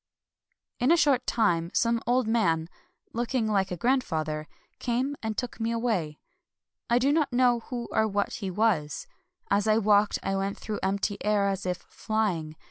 ^ In a short time some old man, — looking like a grandfather — came and took me away. I do not know who or what he was. As I walked I went through empty air as if flying.